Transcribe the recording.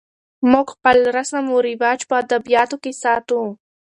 موږ خپل رسم و رواج په ادبیاتو کې ساتو.